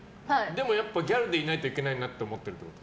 でも、ギャルでいないといけないなって思ってること？